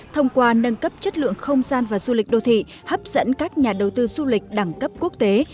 thông qua nâng cấp chất lượng không gian và du lịch đô thị hấp dẫn các nhà đầu tư du lịch đẳng cấp quốc tế